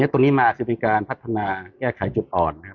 ตรงนี้มาคือเป็นการพัฒนาแก้ไขจุดอ่อนนะครับ